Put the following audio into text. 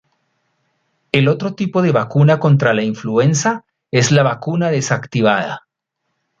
El otro tipo de vacuna contra la influenza es la vacuna desactivada.